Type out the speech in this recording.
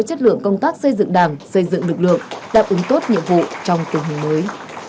chất lượng công tác xây dựng đảng xây dựng lực lượng đáp ứng tốt nhiệm vụ trong tình hình mới